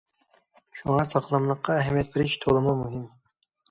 شۇڭا، ساغلاملىققا ئەھمىيەت بېرىش تولىمۇ مۇھىم.